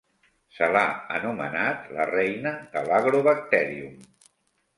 Se l'ha anomenat la "reina de l'"Agrobacterium"".